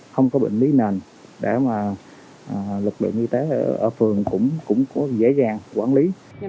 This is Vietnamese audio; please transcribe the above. không có bệnh lý nền để mà lực lượng y tế ở phường cũng có dễ dàng quản lý